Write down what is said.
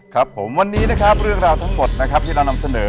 ครับผมวันนี้นะครับเรื่องราวทั้งหมดนะครับที่เรานำเสนอ